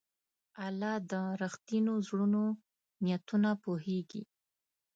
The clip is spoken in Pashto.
الله د رښتینو زړونو نیتونه پوهېږي.